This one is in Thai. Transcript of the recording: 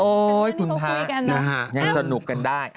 คุณพระยังสนุกกันได้